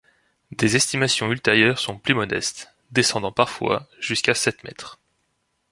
Des estimations ultérieures sont plus modestes, descendant parfois jusqu'à sept mètres.